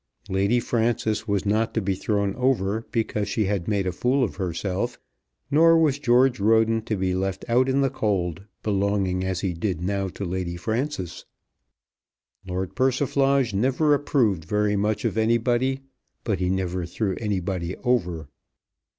Lady Frances was not to be thrown over because she had made a fool of herself, nor was George Roden to be left out in the cold, belonging as he did now to Lady Frances. Lord Persiflage never approved very much of anybody, but he never threw anybody over.